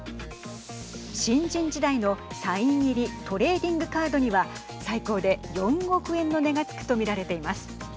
新人時代のサイン入りトレーディングカードには最高で４億円の値がつくとみられています。